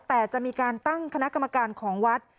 แต่จะมีการตั้งคณะกรรมการของวัด